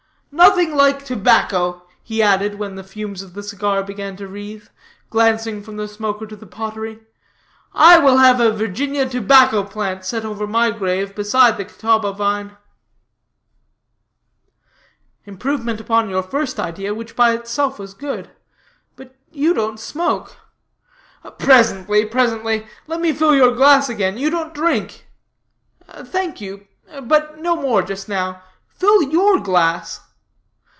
"Nothing like tobacco," he added, when the fumes of the cigar began to wreathe, glancing from the smoker to the pottery, "I will have a Virginia tobacco plant set over my grave beside the Catawba vine." "Improvement upon your first idea, which by itself was good but you don't smoke." "Presently, presently let me fill your glass again. You don't drink." "Thank you; but no more just now. Fill your glass."